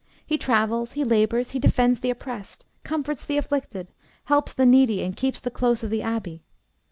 He travels, he labours, he defends the oppressed, comforts the afflicted, helps the needy, and keeps the close of the abbey.